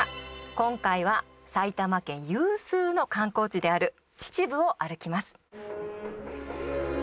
今回は埼玉県有数の観光地である秩父を歩きます。